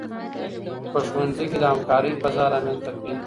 په ښوونځي کې د همکارۍ فضا رامنځته کړئ.